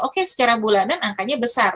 oke secara bulanan angkanya besar